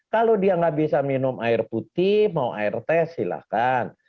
kalau dia nggak bisa minum air putih mau air tes silahkan